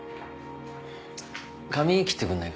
髪切ってくんないか？